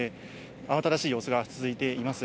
慌ただしい様子が続いています。